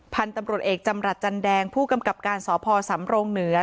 พันธุ์ตำรวจเอกจำรัฐจันแดงผู้กำกับการสพสำรงเหนือ